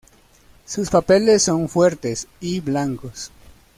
Sus papeles son fuertes y blancos.